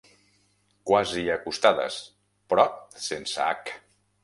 Quasi acostades, però sense h.